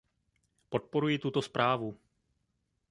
Podporuji tuto zprávu.